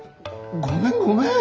ごめんごめん。